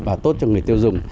và tốt cho người tiêu dùng